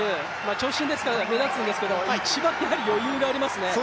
長身ですから目立つんですけど、一番余裕がありますね。